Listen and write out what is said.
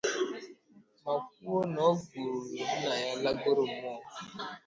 ma kwuo na ọ gụrụ nna ya lagoro mmụọ